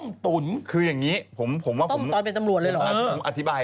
ต้มตอนเป็นตำรวจเลยหรอ